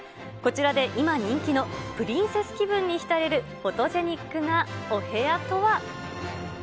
こちらで今、人気のプリンセス気分に浸れるフォトジェニックなお部屋とは。